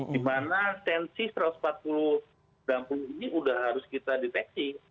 dimana tensi satu ratus empat puluh satu ratus sembilan puluh ini sudah harus kita deteksi